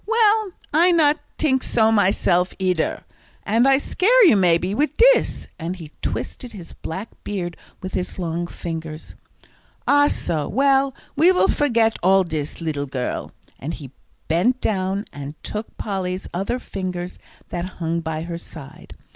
"Well, I not tink so myself, eeder. And I scare you maybe, wid dis," and he twisted his black beard with his long fingers. "Ah, so; well, we will forget all dis, leedle girl," and he bent down and took Polly's other fingers that hung by her side.